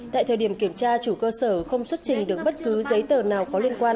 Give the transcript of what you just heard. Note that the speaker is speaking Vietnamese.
tại thời điểm kiểm tra chủ cơ sở không xuất trình được bất cứ giấy tờ nào có liên quan